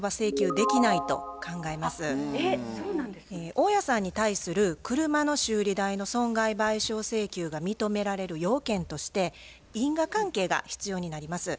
大家さんに対する車の修理代の損害賠償請求が認められる要件として因果関係が必要になります。